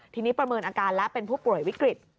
ทีนี้ประเมินอาการแล้วเป็นผู้ป่วยวิกฤต